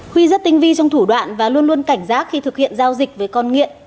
huy rất tinh vi trong thủ đoạn và luôn luôn cảnh giác khi thực hiện giao dịch với con nghiện